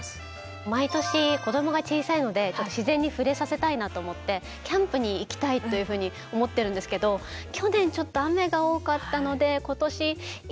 毎年子どもが小さいので自然に触れさせたいなと思ってキャンプに行きたいというふうに思ってるんですけど去年ちょっと雨が多かったので今年行けるかなっていうのと。